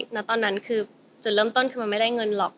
ณตอนนั้นคือจุดเริ่มต้นคือมันไม่ได้เงินหรอก